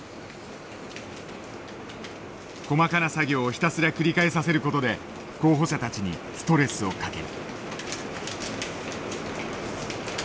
細かな作業をひたすら繰り返させる事で候補者たちにストレスをかける。